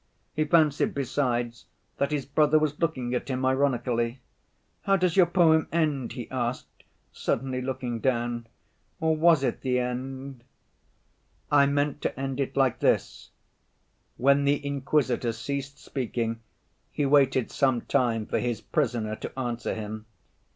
He fancied besides that his brother was looking at him ironically. "How does your poem end?" he asked, suddenly looking down. "Or was it the end?" "I meant to end it like this. When the Inquisitor ceased speaking he waited some time for his Prisoner to answer him.